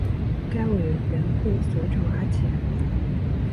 该委员会随之瓦解。